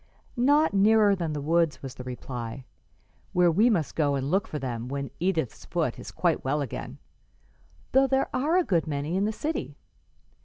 "Not nearer than the woods," was the reply, "where we must go and look for them when Edith's foot is quite well again, though there are a good many in the city.